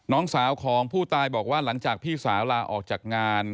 น้องสาวของผู้ตายบอกว่าหลังจากพี่สาวลาออกจากงาน